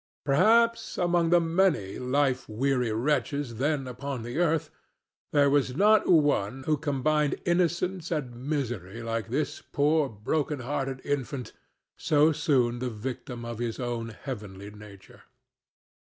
Perhaps among the many life weary wretches then upon the earth there was not one who combined innocence and misery like this poor broken hearted infant so soon the victim of his own heavenly nature.